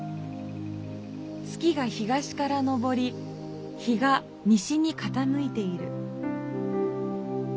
月が東からのぼり日が西にかたむいている。